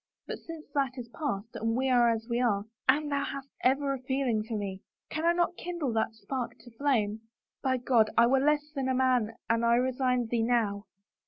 But since that is past and we are as we are — Anne, thou hast ever a feeling for me. Can I not kindle that spark to flame? By God, I were less than a man an I resigned thee now!